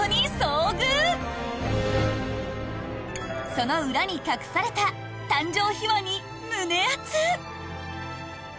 ［その裏に隠された誕生秘話に胸アツ］